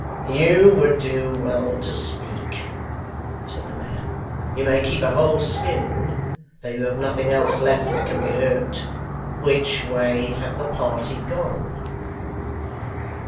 'You would do well to speak,' said the man; 'you may keep a whole skin, though you have nothing else left that can be hurt. Which way have the party gone?